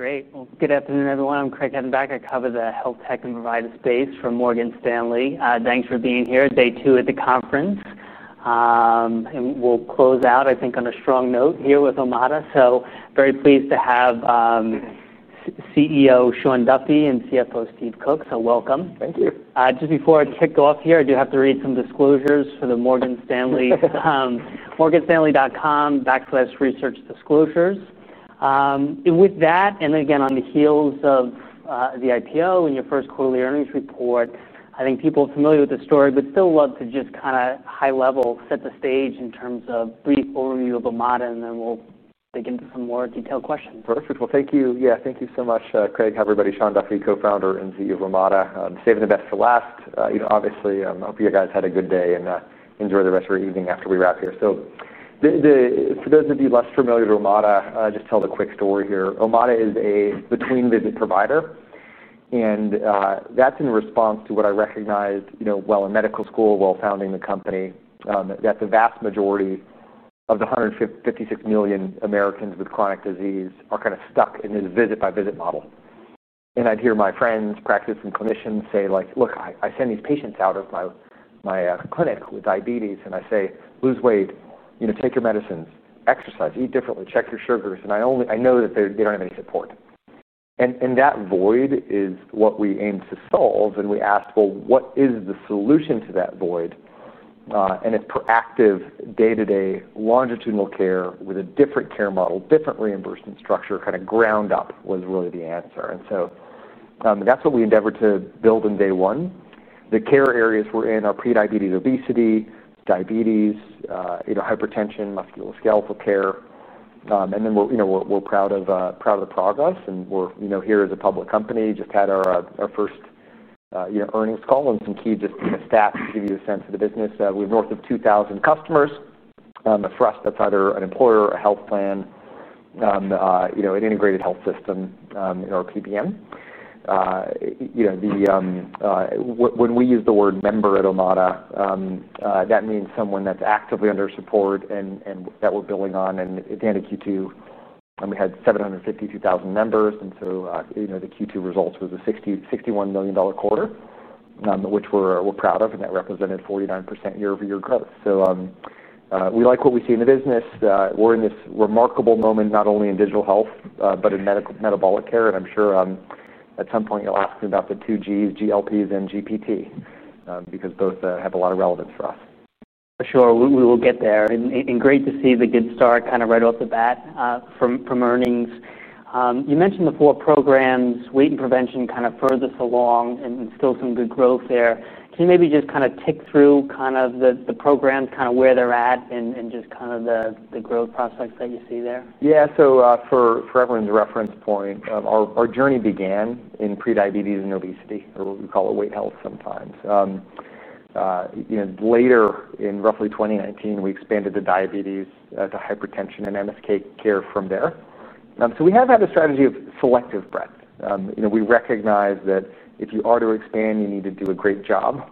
Great. Good afternoon, everyone. I'm Craig Hennenbach. I cover the health tech and provider space for Morgan Stanley. Thanks for being here at day two of the conference. We'll close out, I think, on a strong note here with Omada. Very pleased to have CEO Sean Duffy and CFO Steve Cook. Welcome. Thank you. Just before I kick off here, I do have to read some disclosures for the Morgan Stanley MorganStanley.com/research disclosures. With that, and again on the heels of the IPO and your first quarterly earnings report, I think people are familiar with the story, but still love to just kind of high level set the stage in terms of a brief overview of Omada Health, and then we'll dig into some more detailed questions. Perfect. Thank you. Thank you so much, Craig. Have everybody, Sean Duffy, Co-Founder and CEO of Omada Health, saving the best for last. Obviously, I hope you guys had a good day and enjoy the rest of your evening after we wrap here. For those of you less familiar with Omada, I'll just tell the quick story here. Omada is a between-visit provider. That's in response to what I recognized, you know, while in medical school, while founding the company, that the vast majority of the 156 million Americans with chronic disease are kind of stuck in this visit-by-visit model. I'd hear my friends, practices, and clinicians say like, "Look, I send these patients out of my clinic with diabetes, and I say, 'Lose weight. You know, take your medicines. Exercise. Eat differently. Check your sugars.'" I only know that they don't have any support. That void is what we aim to solve. We asked, what is the solution to that void? It's proactive day-to-day longitudinal care with a different care model, different reimbursement structure. Kind of ground up was really the answer. That's what we endeavor to build in day one. The care areas we're in are prediabetes, obesity, diabetes, hypertension, musculoskeletal care. We're proud of the progress. We're here as a public company. Just had our first earnings call and some key stats to give you a sense of the business. We're north of 2,000 customers. For us, that's either an employer, a health plan, an integrated health system, or a PBM, you know. When we use the word member at Omada, that means someone that's actively under support and that we're building on. It's end of Q2. We had 752,000 members. The Q2 result was a $61 million quarter, which we're proud of. That represented 49% year-over-year growth. We like what we see in the business. We're in this remarkable moment, not only in digital health, but in medical metabolic care. I'm sure at some point you'll ask me about the 2Gs, GLPs, and GPT because both have a lot of relevance for us. Sure. We will get there. Great to see the good start right off the bat from earnings. You mentioned the four programs, weight and prevention further along and still some good growth there. Can you maybe just tick through the programs, where they're at, and the growth prospects that you see there? Yeah. For everyone's reference point, our journey began in prediabetes and obesity, or we call it weight health sometimes. Later, in roughly 2019, we expanded to diabetes, to hypertension, and MSK care from there. We have had a strategy of selective breadth. We recognize that if you are to expand, you need to do a great job.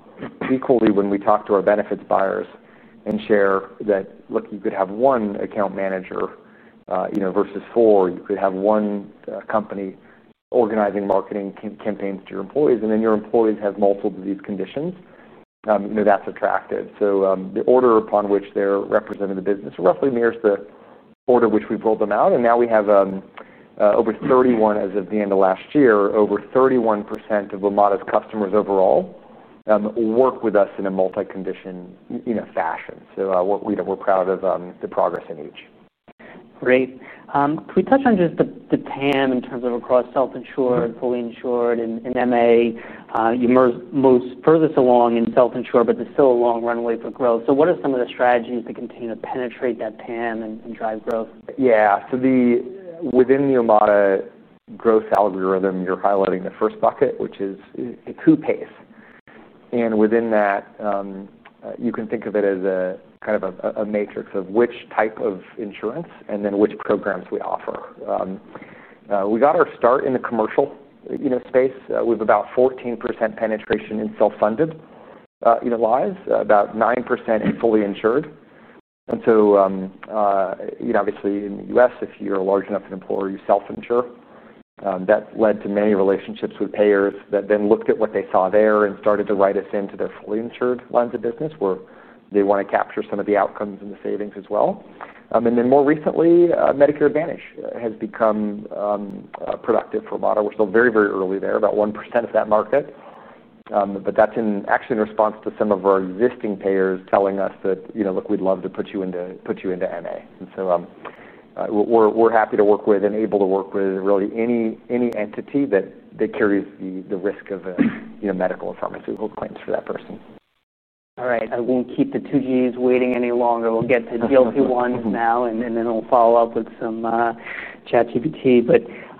Equally, when we talk to our benefits buyers and share that, look, you could have one account manager versus four. You could have one company organizing marketing campaigns to your employees. Your employees have multiple disease conditions. That's attractive. The order upon which they're represented in the business roughly mirrors the order which we've rolled them out. Now we have over 31, as of the end of last year, over 31% of Omada Health's customers overall work with us in a multi-condition fashion. We're proud of the progress in each. Great. Can we touch on just the TAM in terms of across self-insured, fully insured, and Medicare Advantage? You're most furthest along in self-insured, but there's still a long runway for growth. What are some of the strategies that continue to penetrate that TAM and drive growth? Yeah. Within the Omada growth algorithm, you're highlighting the first bucket, which is acute pace. Within that, you can think of it as a kind of a matrix of which type of insurance and then which programs we offer. We got our start in the commercial space. We have about 14% penetration in self-funded lives, about 9% in fully insured. Obviously, in the U.S., if you're a large enough employer, you self-insure. That led to many relationships with payers that then looked at what they saw there and started to write us into the fully insured lines of business where they want to capture some of the outcomes and the savings as well. More recently, Medicare Advantage has become productive for Omada. We're still very, very early there, about 1% of that market. That's actually in response to some of our existing payers telling us that, you know, look, we'd love to put you into MA. We're happy to work with and able to work with really any entity that carries the risk of medical and pharmaceutical claims for that person. All right. I won't keep the 2Gs waiting any longer. We'll get to GLP-1s now, and then we'll follow up with some ChatGPT.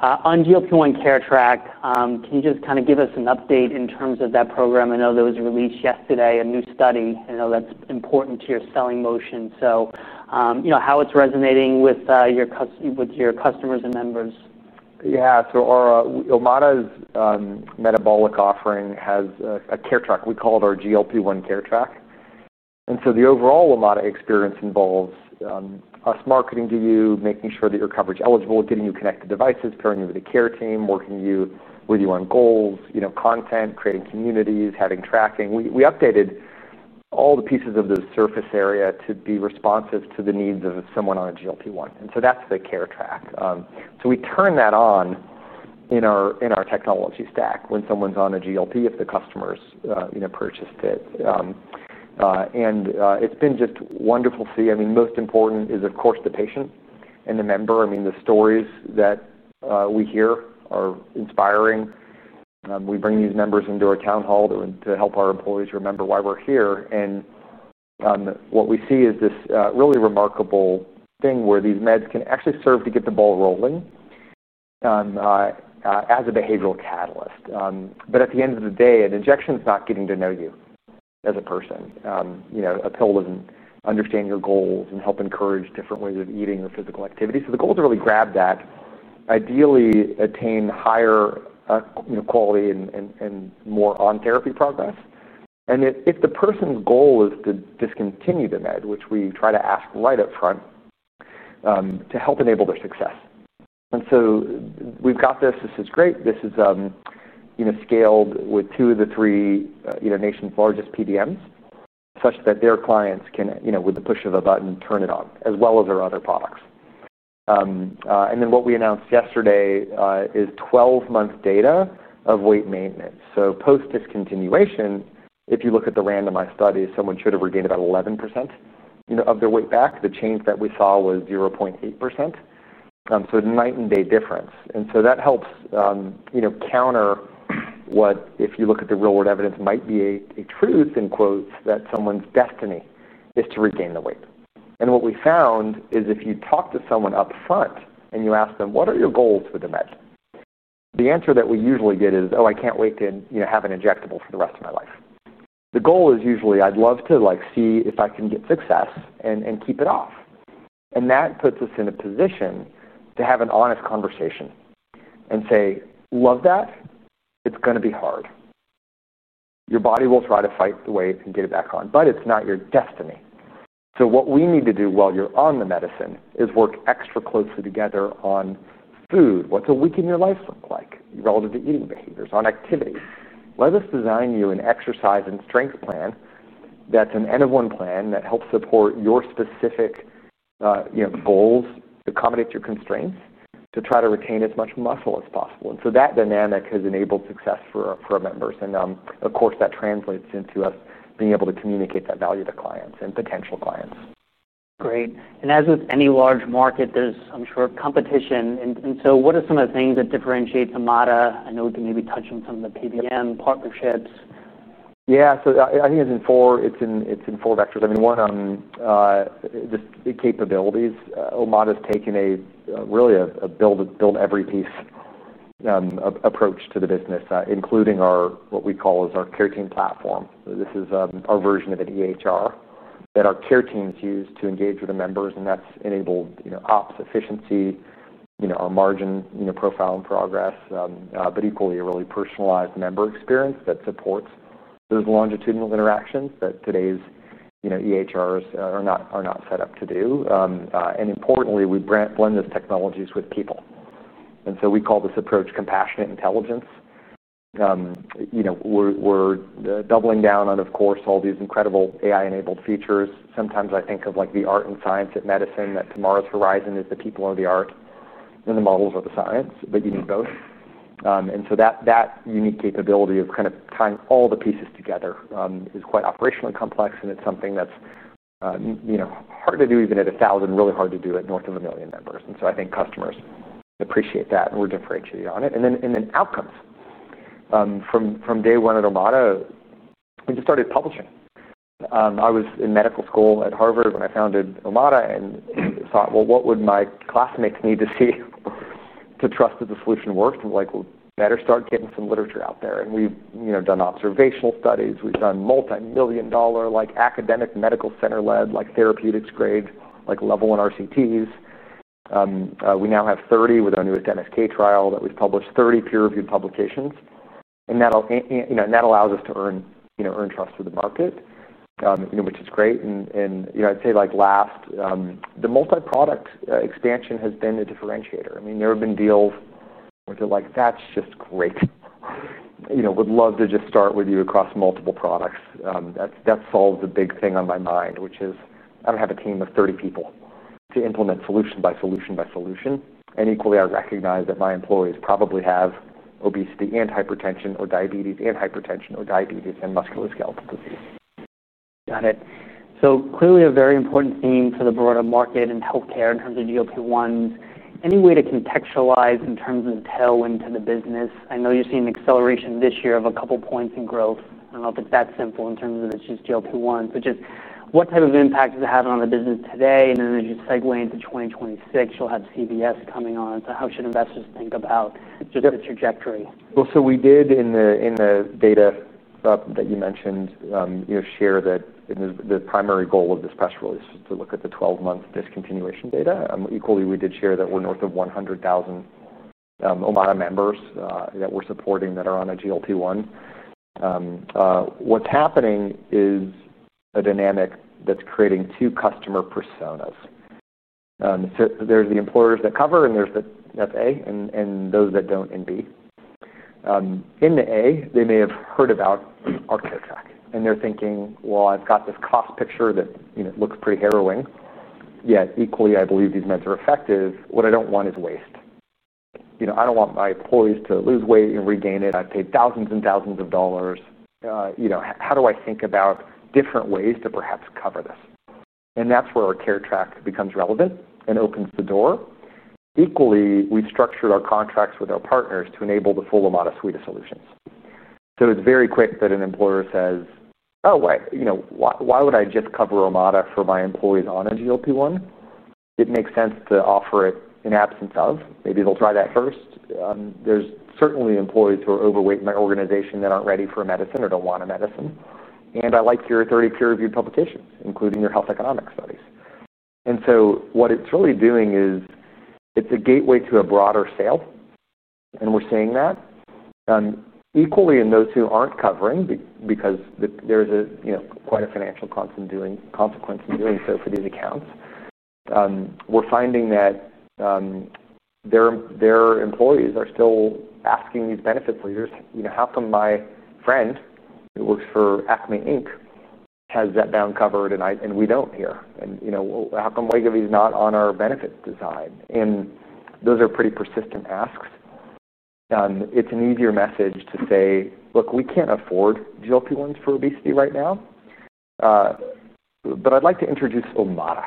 On GLP-1 Care Track, can you just kind of give us an update in terms of that program? I know that was released yesterday, a new study. I know that's important to your selling motion. You know how it's resonating with your customers and members? Yeah. Omada's metabolic offering has a CareTrack. We call it our GLP-1 Care Track. The overall Omada experience involves us marketing to you, making sure that you're coverage eligible, getting you connected to devices, pairing you with the care team, working with you on goals, content, creating communities, having tracking. We updated all the pieces of the surface area to be responsive to the needs of someone on a GLP-1. That's the CareTrack. We turn that on in our technology stack when someone's on a GLP if the customer's purchased it. It's been just wonderful to see. Most important is, of course, the patient and the member. The stories that we hear are inspiring. We bring these members into a town hall to help our employees remember why we're here. What we see is this really remarkable thing where these meds can actually serve to get the ball rolling as a behavioral catalyst. At the end of the day, an injection is not getting to know you as a person. A pill doesn't understand your goals and help encourage different ways of eating or physical activity. The goal is to really grab that, ideally attain higher quality and more on therapy progress. If the person's goal is to discontinue the med, which we try to ask right up front, to help enable their success. We've got this. This is great. This is scaled with two of the three nation's largest PBMs such that their clients can, with the push of a button, turn it on, as well as our other products. What we announced yesterday is 12-month data of weight maintenance. Post-discontinuation, if you look at the randomized studies, someone should have regained about 11% of their weight back. The change that we saw was 0.8%. A night-and-day difference. That helps counter what, if you look at the real-world evidence, might be a "truth" that someone's destiny is to regain the weight. What we found is if you talk to someone up front and you ask them, "What are your goals for the med?" the answer that we usually get is, "Oh, I can't wait to have an injectable for the rest of my life." The goal is usually, "I'd love to see if I can get success and keep it off." That puts us in a position to have an honest conversation and say, "Love that. It's going to be hard." Your body will try to fight the way it can get it back on, but it's not your destiny. What we need to do while you're on the medicine is work extra closely together on food. What's a week in your life look like relative to eating behaviors on activity? Let us design you an exercise and strength plan that's an end-of-one plan that helps support your specific goals, accommodate your constraints, to try to retain as much muscle as possible. That dynamic has enabled success for our members. Of course, that translates into us being able to communicate that value to clients and potential clients. Great. As with any large market, there's, I'm sure, competition. What are some of the things that differentiate Omada? I know we can maybe touch on some of the PBM partnerships. Yeah. I think it's in four vectors. One, on the capabilities, Omada Health's taken a really a build-every-piece approach to the business, including what we call as our care team platform. This is a version of an EHR that our care teams use to engage with the members. That's enabled ops efficiency, our margin profile and progress, but equally a really personalized member experience that supports those longitudinal interactions that today's EHRs are not set up to do. Importantly, we blend those technologies with people. We call this approach compassionate intelligence. We're doubling down on, of course, all these incredible AI-enabled features. Sometimes I think of like the art and science at medicine, that tomorrow's horizon is the people are the art and the models are the science, but you need both. That unique capability of kind of tying all the pieces together is quite operationally complex. It's something that's hard to do even at 1,000, really hard to do at north of a million members. I think customers appreciate that, and we're differentiated on it. Then outcomes. From day one at Omada Health, we just started publishing. I was in medical school at Harvard when I founded Omada Health and thought, what would my classmates need to see to trust that the solution worked? We're like, better start getting some literature out there. We've done observational studies. We've done multimillion-dollar, like academic medical center-led, like therapeutics grades, like level 1 RCTs. We now have 30 with our newest MSK trial that we've published, 30 peer-reviewed publications. That allows us to earn trust with the market, which is great. I'd say last, the multi-product expansion has been a differentiator. There have been deals where they're like, that's just great. Would love to just start with you across multiple products. That solves a big thing on my mind, which is I don't have a team of 30 people to implement solution by solution by solution. Equally, I recognize that my employees probably have obesity and hypertension or diabetes and hypertension or diabetes and musculoskeletal disease. Got it. Clearly a very important aim for the broader market in healthcare in terms of GLP-1s. Any way to contextualize in terms of tailwind to the business? I know you're seeing an acceleration this year of a couple of points in growth. I don't know if it's that simple in terms of it's just GLP-1s, but just what type of impact does it have on the business today? As you segue into 2026, you'll have CVS coming on. How should investors think about just the trajectory? We did, in the data that you mentioned, share that the primary goal of this press release was to look at the 12-month discontinuation data. Equally, we did share that we're north of 100,000 Omada members that we're supporting that are on a GLP-1. What's happening is a dynamic that's creating two customer personas. There's the employers that cover, and there's the A and those that don't in B. In the A, they may have heard about our Care Track, and they're thinking, I've got this cost picture that looks pretty harrowing. Yet equally, I believe these meds are effective. What I don't want is waste. I don't want my employees to lose weight and regain it. I've paid thousands and thousands of dollars. How do I think about different ways to perhaps cover this? That's where our Care Track becomes relevant and opens the door. Equally, we've structured our contracts with our partners to enable the full Omada suite of solutions. It's very quick that an employer says, oh, why would I just cover Omada for my employees on a GLP-1? It makes sense to offer it in absence of. Maybe they'll try that first. There's certainly employees who are overweight in my organization that aren't ready for a medicine or don't want a medicine. I like your 30 peer-reviewed publications, including your health economic studies. What it's really doing is it's a gateway to a broader sale, and we're seeing that. Equally, in those who aren't covering because there's quite a financial consequence in doing so for these accounts, we're finding that their employees are still asking these benefits leaders, how come my friend who works for Acme Inc. has that down covered and we don't here? How come Wegovy is not on our benefit design? Those are pretty persistent asks. It's an easier message to say, look, we can't afford GLP-1s for obesity right now, but I'd like to introduce Omada,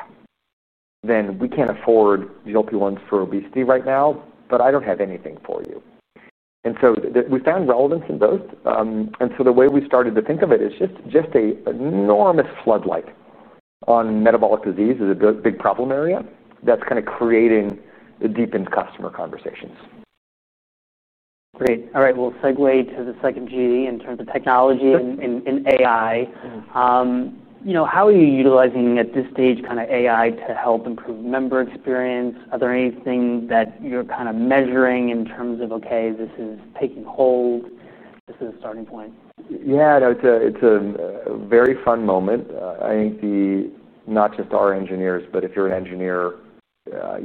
than we can't afford GLP-1s for obesity right now, but I don't have anything for you. We found relevance in both. The way we started to think of it is just an enormous floodlight on metabolic disease as a big problem area that's kind of creating deepened customer conversations. Great. All right. We'll segue to the second G in terms of technology and AI. How are you utilizing at this stage kind of AI to help improve member experience? Are there anything that you're kind of measuring in terms of, OK, this is taking hold? This is a starting point. Yeah. No, it's a very fun moment. I think not just our engineers, but if you're an engineer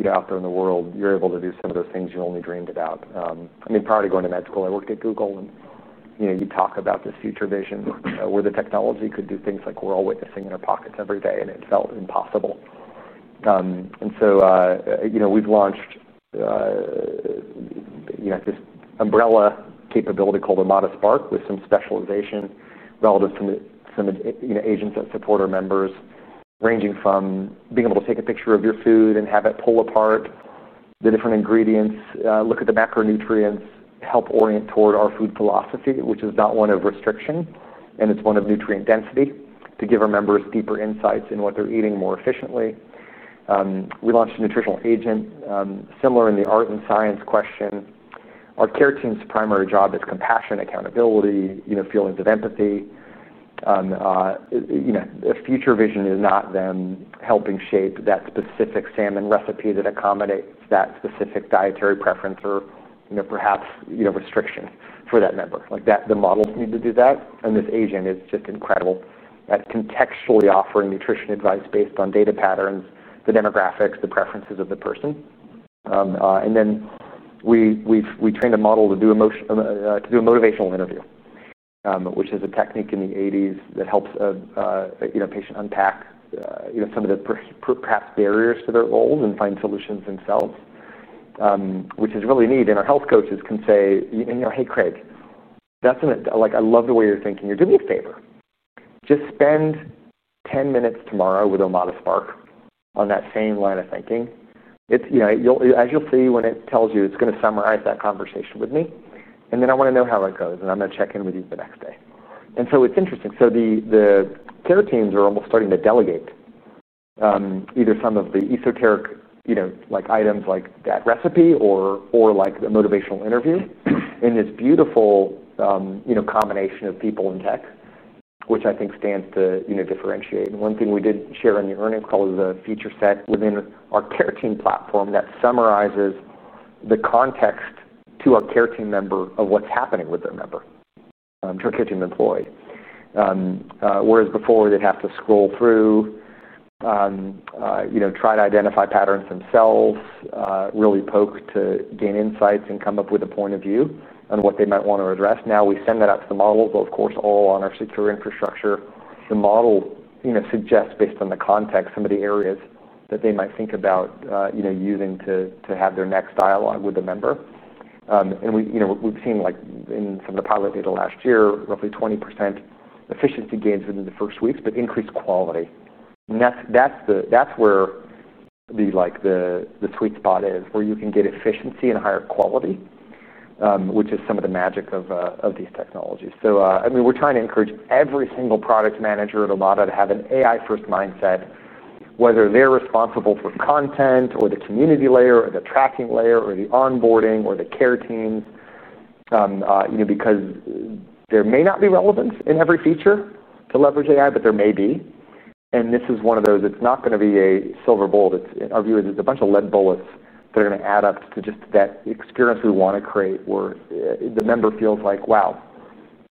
out there in the world, you're able to do some of those things you only dreamed about. I mean, prior to going to med school, I worked at Google. You talk about this future vision where the technology could do things like we're all witnessing in our pockets every day, and it felt impossible. We've launched this umbrella capability called Omada Spark with some specialization relative to some agents that support our members, ranging from being able to take a picture of your food and have it pull apart the different ingredients, look at the macronutrients, help orient toward our food philosophy, which is not one of restriction, and it's one of nutrient density to give our members deeper insights in what they're eating more efficiently. We launched a nutritional agent similar in the art and science question. Our care team's primary job is compassion, accountability, feelings of empathy. A future vision is not them helping shape that specific salmon recipe that accommodates that specific dietary preference or perhaps restriction for that member. The models need to do that. This agent is just incredible. It's contextually offering nutrition advice based on data patterns, the demographics, the preferences of the person. We trained a model to do a motivational interview, which is a technique in the 1980s that helps a patient unpack some of the perhaps barriers to their goals and find solutions themselves, which is really neat. Our health coaches can say, you know, hey, Craig, I love the way you're thinking. You're doing me a favor. Just spend 10 minutes tomorrow with Omada Spark on that same line of thinking. As you'll see when it tells you, it's going to summarize that conversation with me. I want to know how it goes. I'm going to check in with you the next day. It's interesting. The care teams are almost starting to delegate either some of the esoteric items like that recipe or like the motivational interview in this beautiful combination of people and tech, which I think stands to differentiate. One thing we did share in the earnings call is the feature set within our care team platform that summarizes the context to a care team member of what's happening with their member to a care team employee. Whereas before, they'd have to scroll through, try to identify patterns themselves, really poke to gain insights and come up with a point of view on what they might want to address. Now we send that out to the model, all on our secure infrastructure. The model suggests, based on the context, some of the areas that they might think about using to have their next dialogue with the member. We've seen in some of the pilot data last year, roughly 20% efficiency gains within the first weeks, but increased quality. That's where the sweet spot is, where you can get efficiency and higher quality, which is some of the magic of these technologies. We're trying to encourage every single product manager at Omada Health to have an AI-first mindset, whether they're responsible for content or the community layer or the tracking layer or the onboarding or the care team, because there may not be relevance in every feature to leverage AI, but there may be. This is one of those. It's not going to be a silver bullet. Our view is it's a bunch of lead bullets that are going to add up to just that experience we want to create where the member feels like, wow,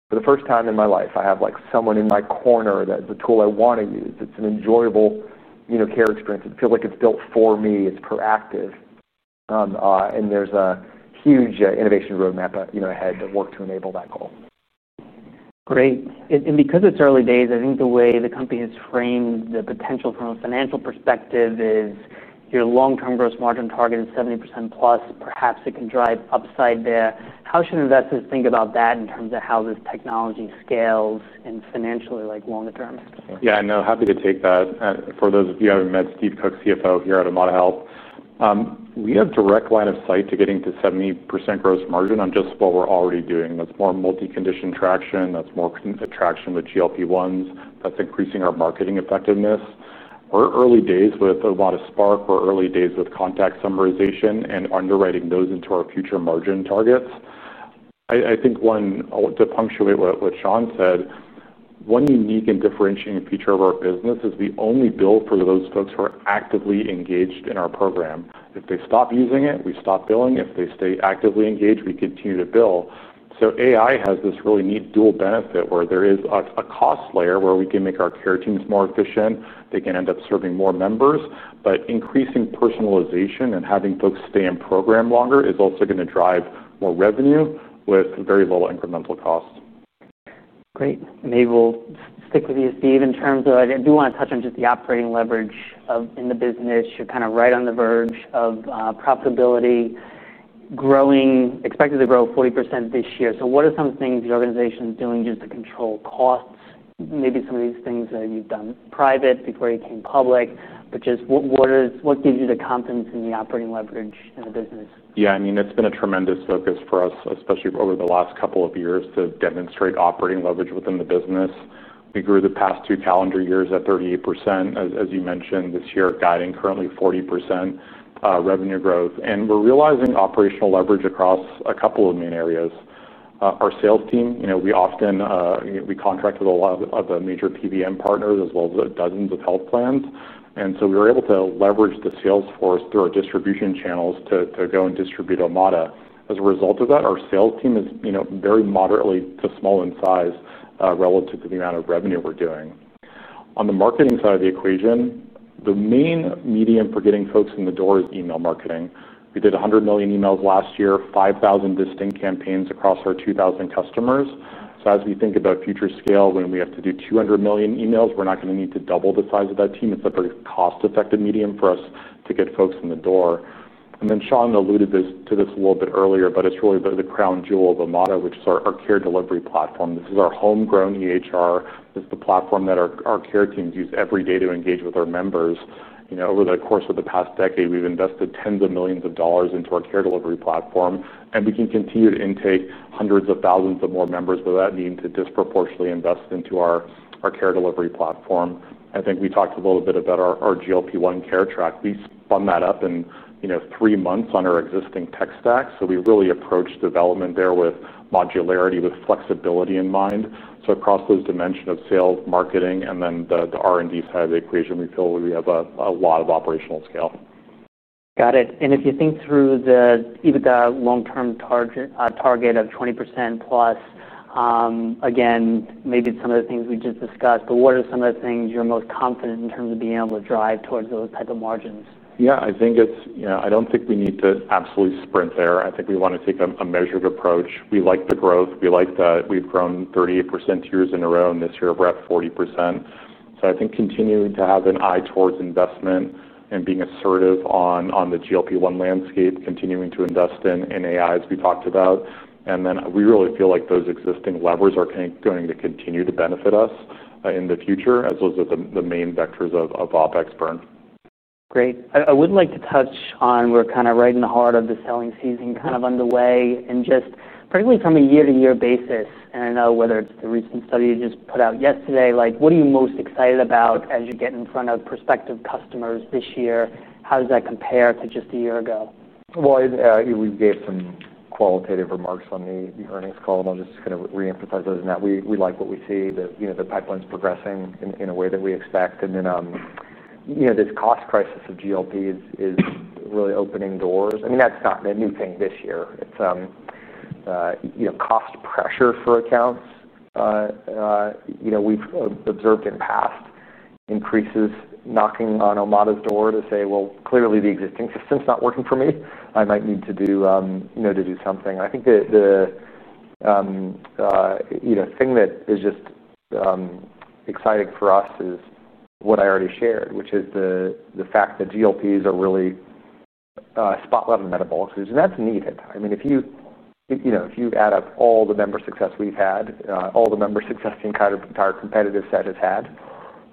for the first time in my life, I have someone in my corner that the tool I want to use. It's an enjoyable care experience. It feels like it's built for me. It's proactive. There's a huge innovation roadmap ahead to work to enable that goal. Great. Because it's early days, I think the way the company has framed the potential from a financial perspective is your long-term gross margin target is 70% plus. Perhaps it can drive upside there. How should investors think about that in terms of how this technology scales and financially longer term? Yeah. No, happy to take that. For those of you who haven't met Steve Cook, CFO here at Omada Health, we have a direct line of sight to getting to 70% gross margin on just what we're already doing. That's more multi-condition traction, more traction with GLP-1s, and increasing our marketing effectiveness. We're early days with Omada Spark, early days with contact summarization and underwriting those into our future margin targets. I think to punctuate what Sean said, one unique and differentiating feature of our business is we only bill for those folks who are actively engaged in our program. If they stop using it, we stop billing. If they stay actively engaged, we continue to bill. AI has this really neat dual benefit where there is a cost layer where we can make our care teams more efficient. They can end up serving more members. Increasing personalization and having folks stay in program longer is also going to drive more revenue with very little incremental cost. Great. Maybe we'll stick with you, Steve, in terms of I do want to touch on just the operating leverage in the business. You're kind of right on the verge of profitability, expected to grow 40% this year. What are some of the things your organization is doing just to control costs? Maybe some of these things that you've done private before you came public, but just what gives you the confidence in the operating leverage in the business? Yeah. I mean, it's been a tremendous focus for us, especially over the last couple of years, to demonstrate operating leverage within the business. We grew the past two calendar years at 38%, as you mentioned. This year, guiding currently 40% revenue growth. We're realizing operational leverage across a couple of main areas. Our sales team, you know, we often contract with a lot of the major PBM partners as well as dozens of health plans. We were able to leverage the sales force through our distribution channels to go and distribute Omada. As a result of that, our sales team is very moderately to small in size relative to the amount of revenue we're doing. On the marketing side of the equation, the main medium for getting folks in the door is email marketing. We did 100 million emails last year, 5,000 distinct campaigns across our 2,000 customers. As we think about future scale, when we have to do 200 million emails, we're not going to need to double the size of that team. It's a very cost-effective medium for us to get folks in the door. Sean alluded to this a little bit earlier, but it's really the crown jewel of Omada, which is our care delivery platform. This is our homegrown EHR. This is the platform that our care teams use every day to engage with our members. Over the course of the past decade, we've invested tens of millions of dollars into our care delivery platform. We can continue to intake hundreds of thousands of more members without needing to disproportionately invest into our care delivery platform. I think we talked a little bit about our GLP-1 Care Track. We spun that up in three months on our existing tech stack. We really approach development there with modularity, with flexibility in mind. Across those dimensions of sales, marketing, and then the R&D side of the equation, we feel we have a lot of operational scale. Got it. If you think through even the long-term target of 20% plus, maybe some of the things we just discussed, what are some of the things you're most confident in terms of being able to drive towards those types of margins? I think we don't need to absolutely sprint there. I think we want to take a measured approach. We like the growth. We like that we've grown 38% years in a row, and this year we're at 40%. I think continuing to have an eye towards investment and being assertive on the GLP-1 landscape, continuing to invest in AI, as we talked about, is important. We really feel like those existing levers are going to continue to benefit us in the future, as those are the main vectors of OpEx burn. Great. I would like to touch on we're kind of right in the heart of the selling season, kind of underway, and just particularly from a year-to-year basis. I know whether it's the recent study you just put out yesterday, like what are you most excited about as you get in front of prospective customers this year? How does that compare to just a year ago? We gave some qualitative remarks on the earnings call, and I'll just kind of reemphasize those. We like what we see. The pipeline is progressing in a way that we expect. This cost crisis of GLP is really opening doors. That's not a new thing this year. It's cost pressure for accounts. We've observed in past increases knocking on Omada's door to say, clearly the existing system is not working for me. I might need to do something. I think the thing that is just exciting for us is what I already shared, which is the fact that GLPs are really spotlight on metabolic disease. That's needed. If you add up all the member success we've had, all the member success the entire competitive set has had,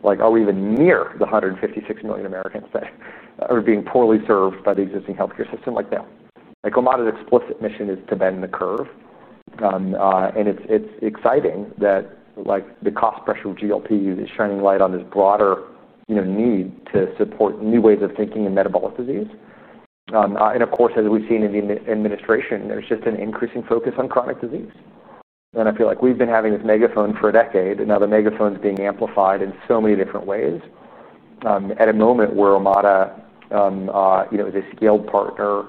are we even near the 156 million Americans that are being poorly served by the existing healthcare system? No. Omada's explicit mission is to bend the curve. It's exciting that the cost pressure of GLP is shining light on this broader need to support new ways of thinking in metabolic disease. Of course, as we've seen in the administration, there's just an increasing focus on chronic disease. I feel like we've been having this megaphone for a decade. Now the megaphone is being amplified in so many different ways. At a moment where Omada is a scaled partner,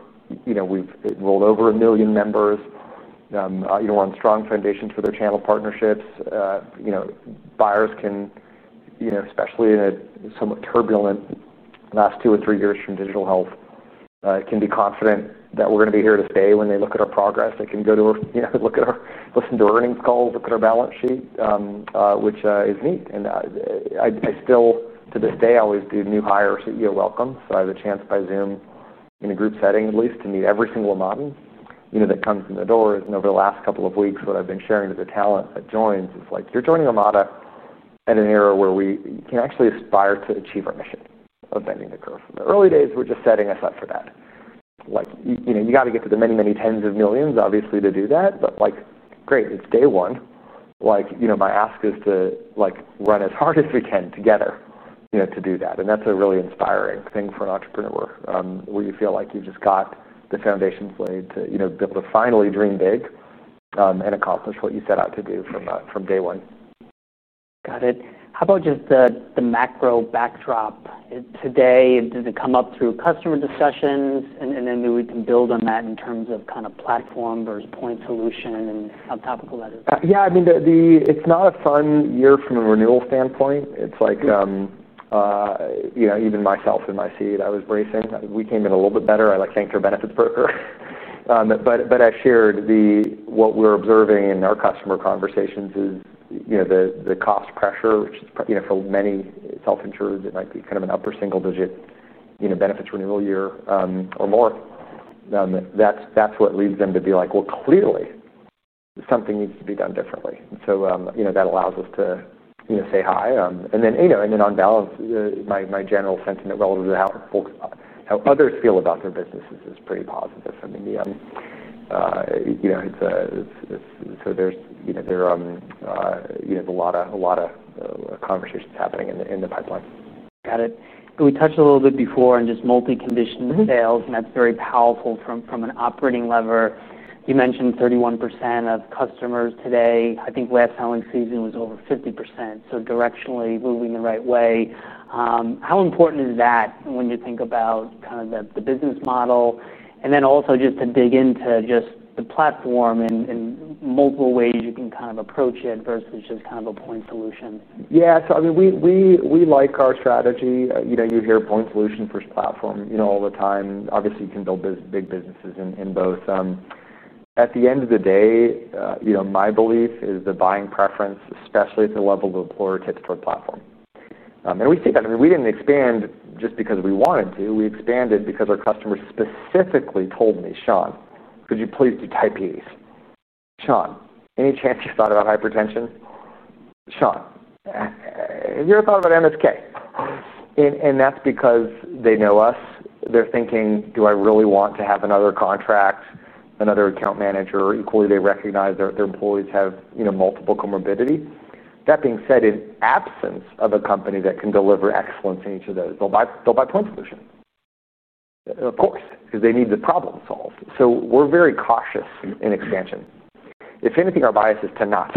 we've enrolled over a million members on strong foundations for their channel partnerships. Buyers can, especially in a somewhat turbulent last two or three years from digital health, be confident that we're going to be here to stay when they look at our progress. They can go to, look at our, listen to our earnings calls, look at our balance sheet, which is neat. I still, to this day, always do new hire CEO welcomes. I have a chance by Zoom in a group setting, at least, to meet every single Omadan that comes in the door. Over the last couple of weeks, what I've been sharing with the talent that joins is, you're joining Omada at an era where we can actually aspire to achieve our mission of bending the curve. The early days were just setting us up for that. You got to get to the many, many tens of millions, obviously, to do that. Great, it's day one. My ask is to run as hard as we can together to do that. That's a really inspiring thing for an entrepreneur where you feel like you've just got the foundations laid to be able to finally dream big and accomplish what you set out to do from day one. Got it. How about just the macro backdrop today? Does it come up through customer discussions? Maybe we can build on that in terms of kind of platform versus point solution and how topical that is. Yeah. I mean, it's not a fun year from a renewal standpoint. It's like, you know, even myself in my seat, I was bracing. We came in a little bit better. I like to thank our benefits broker. I've shared what we're observing in our customer conversations is, you know, the cost pressure, which is for many self-insured, it might be kind of an upper single-digit benefits renewal year or north. That's what leads them to be like, clearly, something needs to be done differently. That allows us to say hi. On balance, my general sentiment relative to how others feel about their businesses is pretty positive. I mean, there's a lot of conversations happening in the pipeline. Got it. We touched a little bit before on just multi-condition sales, and that's very powerful from an operating lever. You mentioned 31% of customers today. I think last selling season was over 50%, so directionally moving the right way. How important is that when you think about the business model? Also, just to dig into the platform and multiple ways you can approach it versus just a point solution. Yeah. I mean, we like our strategy. You hear point solution versus platform all the time. Obviously, you can build big businesses in both. At the end of the day, my belief is the buying preference, especially at the level of the employer, takes for a platform. We didn't expand just because we wanted to. We expanded because our customers specifically told me, "Sean, could you please do type E's?" Sean, any chance you thought about hypertension? Sean, have you ever thought about MSK? That's because they know us. They're thinking, do I really want to have another contract, another account manager? Equally, they recognize their employees have multiple comorbidities. That being said, in absence of a company that can deliver excellence in each of those, they'll buy point solution, of course, because they need the problem solved. We're very cautious in expansion. If anything, our bias is to not.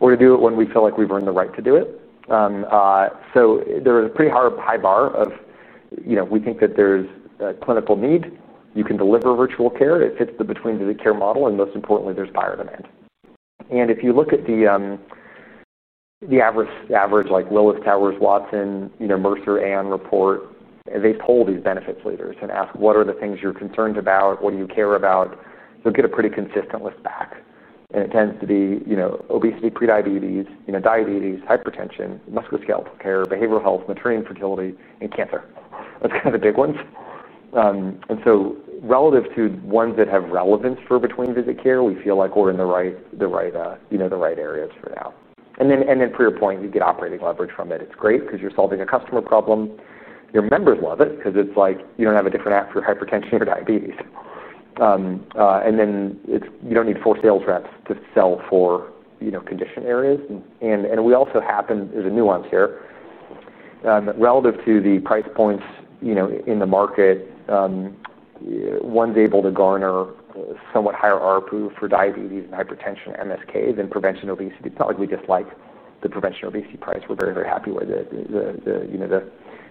We're going to do it when we feel like we've earned the right to do it. There's a pretty high bar of, we think that there's a clinical need. You can deliver virtual care. It fits the between the care model. Most importantly, there's buyer demand. If you look at the average, like Willis Towers Watson, Mercer, Aon report, they poll these benefits leaders and ask, what are the things you're concerned about? What do you care about? They'll get a pretty consistent list back. It tends to be obesity, prediabetes, diabetes, hypertension, musculoskeletal care, behavioral health, maternity and fertility, and cancer. That's kind of the big ones. Relative to ones that have relevance for between-visit care, we feel like we're in the right area for now. For your point, you get operating leverage from it. It's great because you're solving a customer problem. Your members love it because it's like you don't have a different app for hypertension or diabetes. You don't need four sales reps to sell for condition areas. We also happen, there's a nuance here, relative to the price points in the market, one's able to garner somewhat higher ARPU for diabetes and hypertension MSK than prevention obesity product. We just like the prevention obesity price. We're very, very happy with it.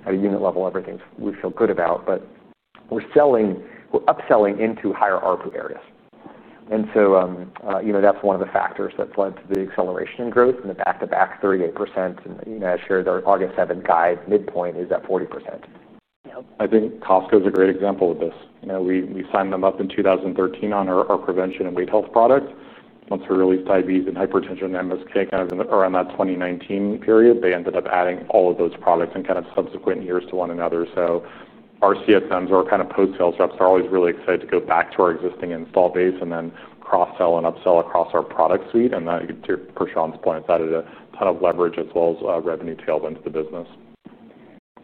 At a unit level, everything we feel good about. We're upselling into higher ARPU areas. That's one of the factors that's led to the acceleration in growth and the back-to-back 38%. I shared our August 7th guide. Midpoint is at 40%. I think Costco is a great example of this. We signed them up in 2013 on our prevention and weight health products. Once we released diabetes and hypertension and MSK kind of around that 2019 period, they ended up adding all of those products in subsequent years to one another. Our CFMs or post-sales reps are always really excited to go back to our existing install base and then cross-sell and upsell across our product suite. That, to Sean's point, added a ton of leverage as well as revenue tailwinds to the business.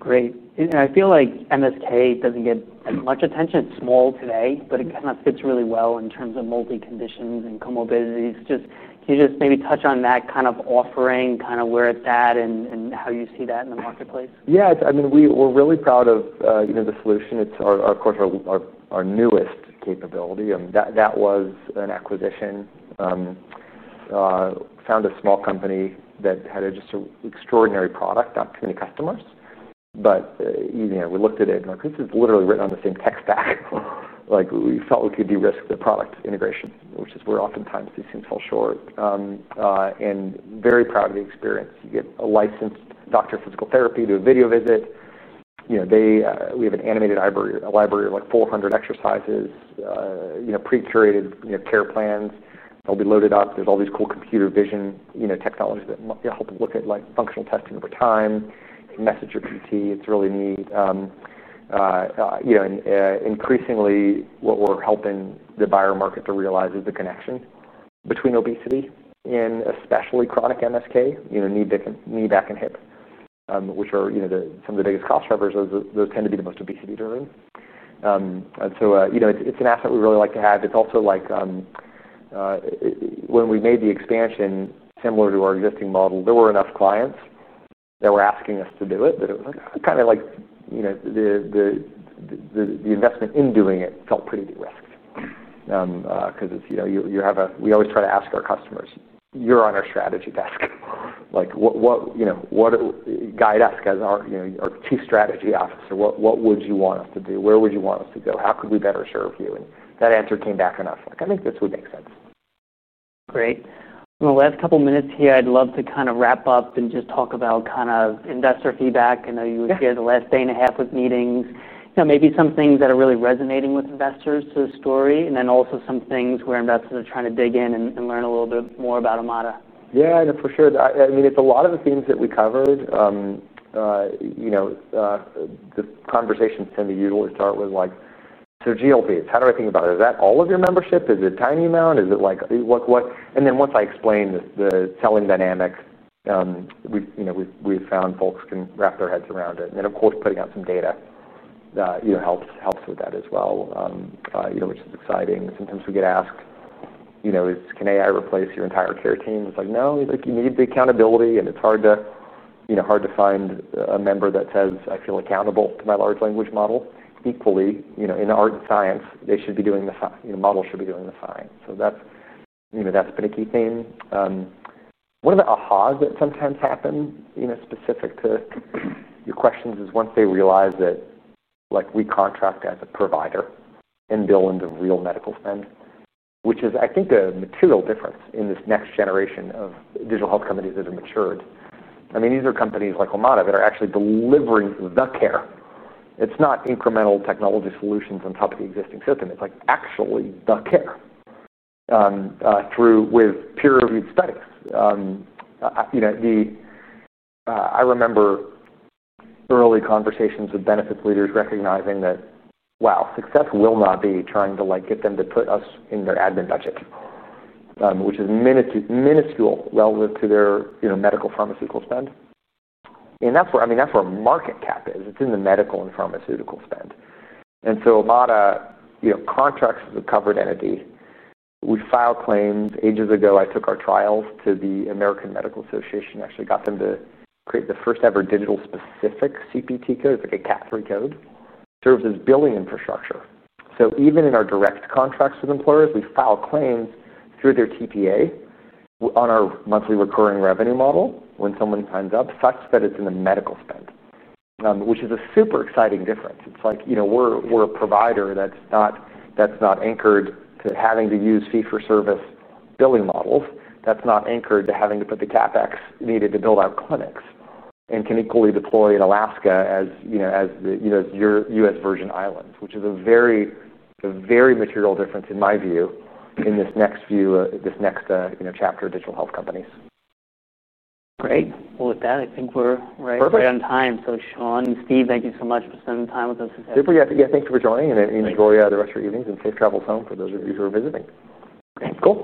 Great. I feel like MSK doesn't get much attention. It's small today, but it gets really well in terms of multi-conditions and comorbidities. Can you just maybe touch on that kind of offering, kind of where it's at and how you see that in the marketplace? Yeah. I mean, we're really proud of the solution. It's, of course, our newest capability. That was an acquisition. Found a small company that had just an extraordinary product, got too many customers. We looked at it and this is literally written on the same text back. We felt we could de-risk the product integration, which is where oftentimes these things fall short. Very proud of the experience. You get a licensed Doctor of Physical Therapy to do a video visit. We have an animated library of like 400 exercises, pre-curated care plans that will be loaded up. There are all these cool computer vision technologies that help look at functional testing over time. Message your GT. It's really neat. Increasingly, what we're helping the buyer market to realize is the connection between obesity and especially chronic MSK, knee, back, and hip, which are some of the biggest cost drivers. Those tend to be the most obesity-driven. It's an asset we really like to have. It's also like when we made the expansion similar to our existing model, there were enough clients that were asking us to do it that it was kind of like the investment in doing it felt pretty de-risked because you have a—we always try to ask our customers, "You're on our strategy desk. Like what guide us as our Chief Strategy Officer? What would you want us to do? Where would you want us to go? How could we better serve you?" That answer came back enough. I think this would make sense. Great. In the last couple of minutes here, I'd love to wrap up and just talk about investor feedback. I know you were here the last day and a half with meetings. Maybe some things that are really resonating with investors to the story and then also some things where investors are trying to dig in and learn a little bit more about Omada Health. Yeah. No, for sure. I mean, it's a lot of the themes that we covered. The conversations tend to usually start with like, "So GLPs, how do I think about it? Is that all of your membership? Is it a tiny amount? Is it like what?" Once I explain the selling dynamic, we've found folks can wrap their heads around it. Of course, putting out some data helps with that as well, which is exciting. Sometimes we get asked, "Can AI replace your entire care team?" It's like, "No, you need the accountability." It's hard to find a member that says, "I feel accountable to my large language model." Equally, in the art and science, they should be doing, the model should be doing the science. That's been a key theme. One of the ahas that sometimes happen specific to your questions is once they realize that we contract as a provider and bill into real medical spend, which is, I think, a material difference in this next generation of digital health companies that have matured. I mean, these are companies like Omada Health that are actually delivering the care. It's not incremental technology solutions on top of the existing system. It's actually the care through with peer-reviewed studies. I remember early conversations with benefits leaders recognizing that, wow, success will not be trying to get them to put us in their admin budget, which is minuscule relative to their medical pharmaceutical spend. That's where market cap is. It's in the medical and pharmaceutical spend. Omada Health contracts with a covered entity. We filed claims ages ago. I took our trials to the American Medical Association. I actually got them to create the first-ever digital-specific CPT code. It's like a CAC-free code. It serves as billing infrastructure. Even in our direct contracts with employers, we file claims through their TPA on our monthly recurring revenue model when someone signs up, such that it's in the medical spend, which is a super exciting difference. We're a provider that's not anchored to having to use fee-for-service billing models. That's not anchored to having to put the CapEx needed to build our clinics and can equally deploy in Alaska as your US Virgin Islands, which is a very material difference in my view in this next view, this next chapter of digital health companies. Great. With that, I think we're right on time. Sean and Steve, thank you so much for spending the time with us today. Super. Thank you for joining. Enjoy the rest of your evenings and safe travels home for those of you who are visiting. Great. Cool.